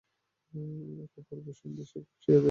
এক অপূর্ব সন্ধি শিক্ষক এবং শিক্ষার্থীদের মাঝে।